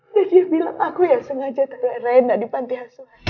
dan dia bilang aku yang sengaja taruh rena di pantai hasil haya